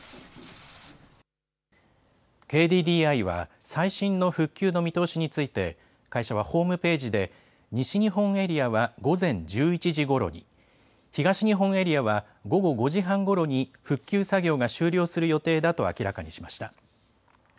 ＫＤＤＩは最新の復旧の見通しについて会社はホームページで西日本エリアは午前１１時ごろに、東日本エリアは午後５時半ごろに復旧作業が終了する予定だと明らかにしました。